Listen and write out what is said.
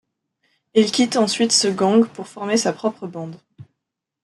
Il quitte ensuite ce gang pour former sa propre bande.